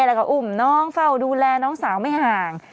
แล้วก็อุ้มน้องเฝ้าดูแลน้องสาวไม่ห่าง